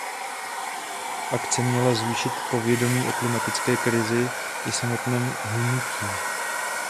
Akce měla zvýšit povědomí o klimatické krizi i samotném hnutí.